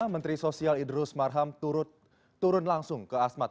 menteri sosial idrus marham turun langsung ke asmat